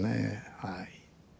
はい。